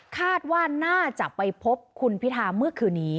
คาดว่าน่าจะไปพบคุณพิธาเมื่อคืนนี้